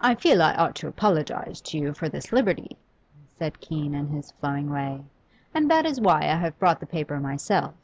'I feel I ought to apologise to you for this liberty,' said Keene, in his flowing way, 'and that is why I have brought the paper myself.